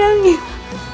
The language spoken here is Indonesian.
sampai saat ini